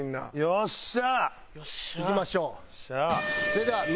よっしゃ！